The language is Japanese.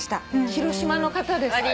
広島の方です。